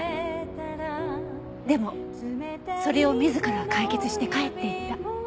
でもそれを自ら解決して帰っていった。